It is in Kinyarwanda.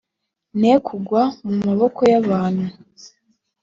ne kugwa mu maboko y'abantu